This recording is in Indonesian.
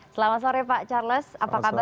selamat sore pak charles apa kabar